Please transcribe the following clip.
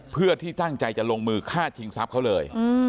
เพื่อที่ตั้งใจจะลงมือฆ่าชิงทรัพย์เขาเลย